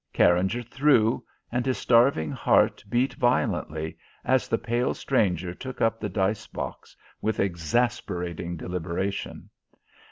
Carringer threw, and his starving heart beat violently as the pale stranger took up the dice box with exasperating deliberation.